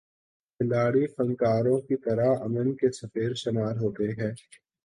کھلاڑی فنکاروں کی طرح امن کے سفیر شمار ہوتے ہیں۔